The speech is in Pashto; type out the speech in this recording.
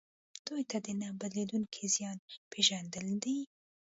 دوی ته د نه بدلیدونکي زیان پېژندل دي.